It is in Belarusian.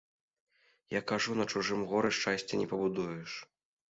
Я кажу, на чужым горы шчасця не пабудуеш.